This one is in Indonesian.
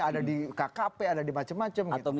ada di kkp ada di macam macam gitu